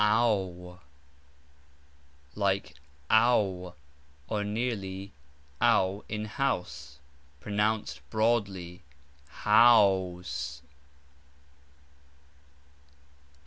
aux like AHW, or nearly OU in hOUse, pronounced broadly, haOUse.